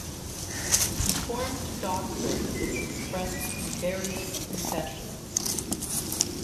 Reformed doctrine is expressed in various confessions.